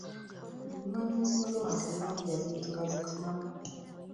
Emmwanyi ezinogebwa nga tezinnayengera ziyitibwa zitya?